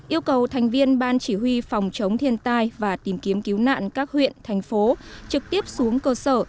yêu cầu thành viên ban chỉ huy phòng chống thiên tai và tìm kiếm cứu nạn các huyện thành phố trực tiếp xuống cơ sở